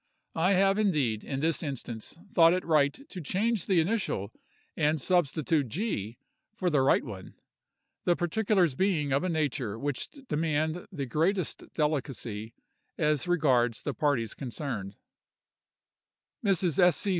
I have indeed, in this instance, thought it right to change the initial, and substitute G. for the right one—the particulars being of a nature which demand the greatest delicacy, as regards the parties concerned:— "Mrs. S. C.